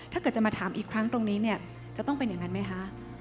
ถ้าเกิดจะมาถามอีกครั้งตรงนี้เนี่ยจะต้องเป็นอย่างนั้นไหมคะ